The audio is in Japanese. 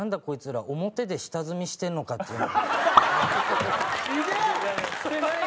こいつら表で下積みしてんのか？」っていうのが。